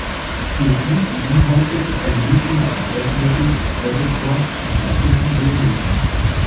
Ihr Stil beinhaltet eine Mischung aus Death Metal, Metalcore und klassischen Elementen.